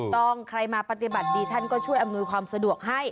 ใครมาปฏิบัติดีท่านก็ช่วยอำนวยความสะดวกให้